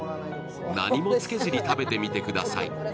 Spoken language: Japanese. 何もつけずに食べてみてください。